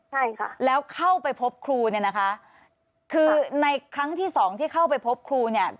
ใช่ค่ะแล้วเข้าไปพบครูเนี่ยนะคะคือในครั้งที่สองที่เข้าไปพบครูเนี่ย